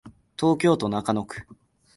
東京都中野区